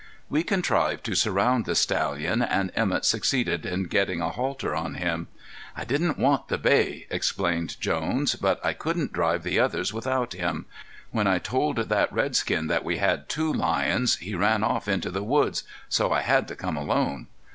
We contrived to surround the stallion, and Emett succeeded in getting a halter on him. "I didn't want the bay," explained Jones, "but I couldn't drive the others without him. When I told that redskin that we had two lions, he ran off into the woods, so I had to come alone."